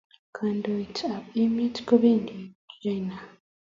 kandoit ab emet kobendi china